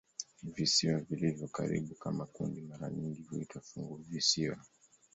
Visiwa vilivyo karibu kama kundi mara nyingi huitwa "funguvisiwa".